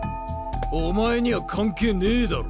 お前にゃ関係ねぇだろ。